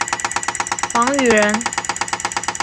王羽人。